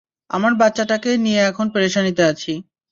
আমার বাচ্চাটাকেই নিয়ে এখন পেরেশানিতে আছি!